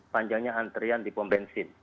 panjangnya antrian di pompensin